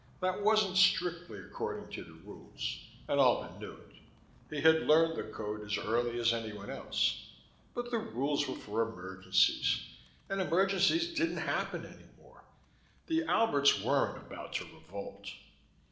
That wasn't strictly according to the rules, and Albin knew it: he had learned the code as early as anyone else. But the rules were for emergencies and emergencies didn't happen any more. The Alberts weren't about to revolt.